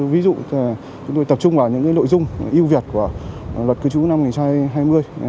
ví dụ chúng tôi tập trung vào những nội dung yêu việt của luật cư trú năm hai nghìn hai mươi